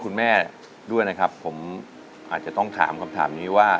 คุณแม่ด้วยนะครับผมอาจจะต้องถามคำถามนี้ว่า